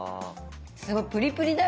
すごいプリプリだよ。